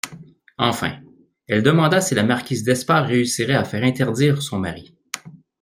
Enfin, elle demanda si la marquise d'Espard réussirait à faire interdire son mari.